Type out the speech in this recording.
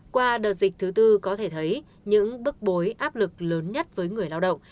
qua đợt dịch thứ tư có thể thấy những bức bối áp lực lớn nhất với người lao động